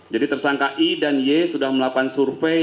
jadi tersangka i dan y sudah melakukan survei